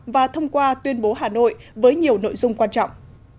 và thông qua tuyên bố hà nội với nhiều nội dung quan trọng